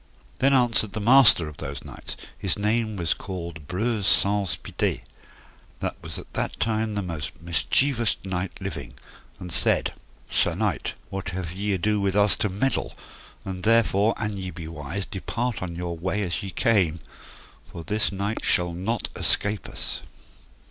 Then answered the master of those knights, his name was called Breuse Saunce Pité, that was at that time the most mischievoust knight living, and said thus: Sir knight, what have ye ado with us to meddle? and therefore, an ye be wise, depart on your way as ye came, for this knight shall not escape us.